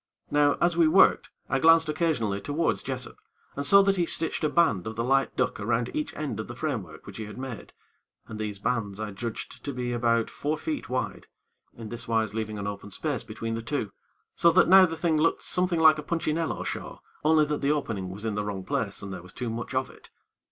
Now, as we worked, I glanced occasionally towards Jessop, and saw that he stitched a band of the light duck around each end of the framework which he had made, and these bands I judged to be about four feet wide, in this wise leaving an open space between the two, so that now the thing looked something like to a Punchinello show, only that the opening was in the wrong place, and there was too much of it.